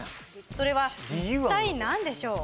それは一体何でしょう？